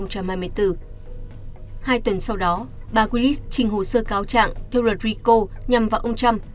hai tuần sau đó bà culis trình hồ sơ cáo trạng theo luật rico nhằm vào ông trump